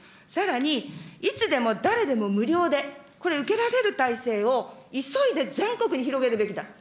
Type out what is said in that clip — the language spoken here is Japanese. さらにいつでも誰でも無料で、これ、受けられる体制を急いで全国に広げるべきだ。